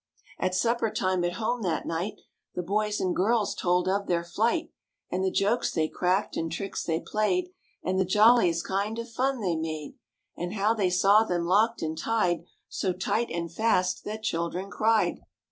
jfl MORE ABOUT THE ROOSEVELT BEARS At supper time at home that night The boys and girls told of their flight; And the jokes they cracked and tricks they played And the jolliest kind of fun they made. And how they saw them locked and tied So tight and fast that children cried.